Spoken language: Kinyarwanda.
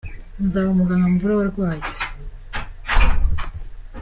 Nzaba umuganga mvure abarwayi.